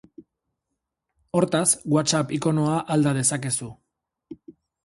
Hortaz, WhatsApp ikonoa alda dezakezu.